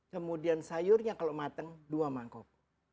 kemudian sayurnya kalau mateng dua mangkok